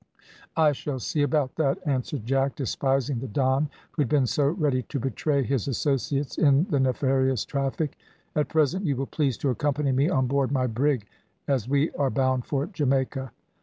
"I shall see about that," answered Jack, despising the Don, who had been so ready to betray his associates in the nefarious traffic. "At present you will please to accompany me on board my brig, as we are bound for Jamaica."